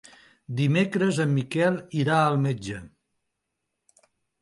Dimecres en Miquel irà al metge.